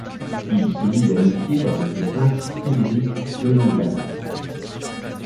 Il se lie d'amitié avec le peintre Frédéric Delanglade.